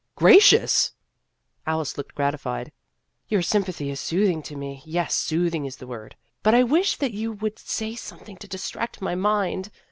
" Gracious !" Alice looked gratified. " Your sympa thy is soothing to me yes, soothing is the word but I wish that you would say something to distract my mind.